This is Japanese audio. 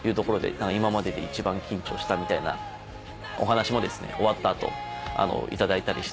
「今までで一番緊張した」みたいなお話もですね終わった後頂いたりして。